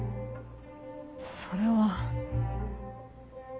それは。